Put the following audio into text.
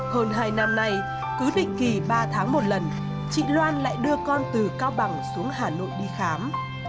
hơn hai năm nay cứ định kỳ ba tháng một lần chị loan lại đưa con từ cao bằng xuống hà nội đi khám